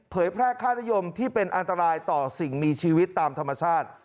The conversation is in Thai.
แพร่ค่านิยมที่เป็นอันตรายต่อสิ่งมีชีวิตตามธรรมชาติ